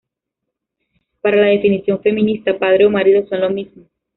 Para la definición feminista, padre o marido son lo mismo.